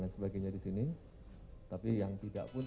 surya utomo pranedia jakarta